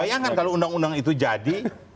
bayangkan kalau undang undang itu jadi